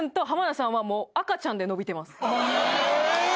え！